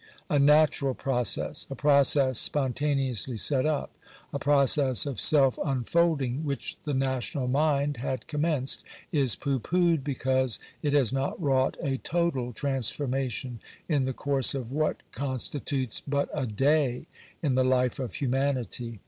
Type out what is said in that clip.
A natural process — a process spontaneously set up — a process of self unfolding which the national mind had commenced, is pooh poohed because it has not wrought a total transformation in the course of what con stitutes but a day in the life of humanity